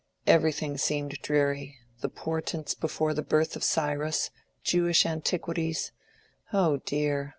Everything seemed dreary: the portents before the birth of Cyrus—Jewish antiquities—oh dear!